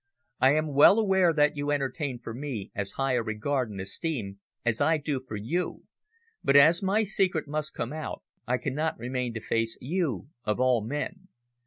I am well aware that you entertain for me as high a regard and esteem as I do for you, but as my secret must come out, I cannot remain to face you of all men.